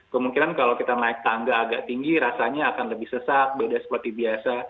kemungkinan kalau kita naik tangga agak tinggi rasanya akan lebih sesak beda seperti biasa